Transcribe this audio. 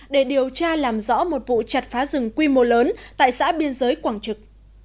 để điều tra làm rõ một vụ chặt phá rừng quy mô lớn tại xã biên giới quảng trực